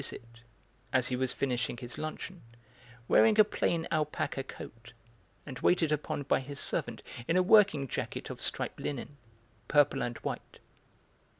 visit, as he was finishing his luncheon, wearing a plain alpaca coat, and waited upon by his servant in a working jacket of striped linen, purple and white.